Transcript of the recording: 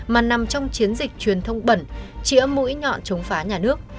mà nằm trong chiến dịch truyền thông bẩn chỉ ấm mũi nhọn chống phá nhà nước